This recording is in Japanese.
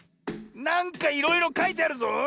なんかいろいろかいてあるぞ。